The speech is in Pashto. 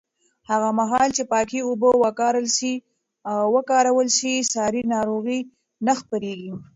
هغه مهال چې پاکې اوبه وکارول شي، ساري ناروغۍ نه خپرېږي.